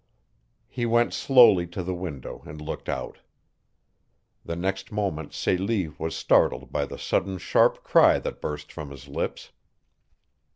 He went slowly to the window and looked out. The next moment Celie was startled by the sudden sharp cry that burst from his lips.